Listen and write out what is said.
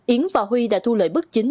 yến và huy đã thu lợi bức chính